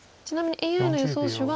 ちなみにＡＩの予想